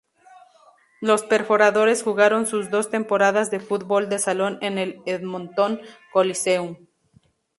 Los perforadores jugaron sus dos temporadas de fútbol de salón en el Edmonton Coliseum.